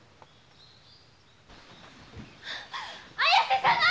綾瀬様！